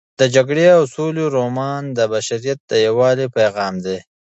د جګړې او سولې رومان د بشریت د یووالي پیغام دی.